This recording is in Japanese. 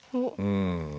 うん。